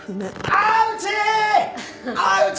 アウチ！